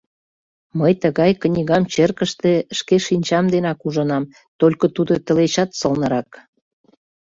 — Мый тыгай книгам черкыште шке шинчам денак ужынам, только тудо тылечат сылнырак.